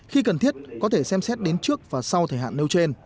khi cần thiết có thể xem xét đến trước và sau thời hạn nêu trên